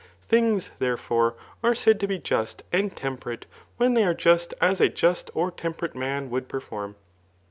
Things, therefore, artf said to be just and temperate, when they are such as a jQst or temperate man. wouM perfprm.